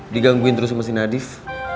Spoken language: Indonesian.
digangguin terus sama si nadif